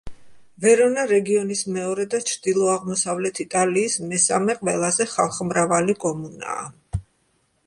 ვერონა რეგიონის მეორე და ჩრდილო-აღმოსავლეთ იტალიის მესამე ყველაზე ხალხმრავალი კომუნაა.